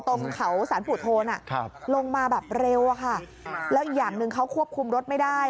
ตรงเขาสารปู่โทนลงมาแบบเร็วอะค่ะแล้วอีกอย่างหนึ่งเขาควบคุมรถไม่ได้